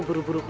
ya aku juga